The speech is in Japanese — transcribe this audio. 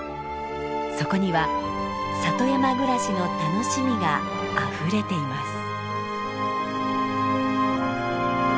そこには里山暮らしの楽しみがあふれています。